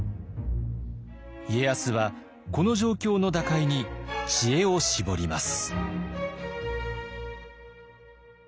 家康はこの状況の打開に知恵を絞ります。